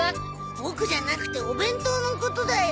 ボクじゃなくてお弁当のことだよ。